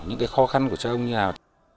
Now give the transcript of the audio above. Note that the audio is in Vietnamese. những khó khăn của chúng như thế nào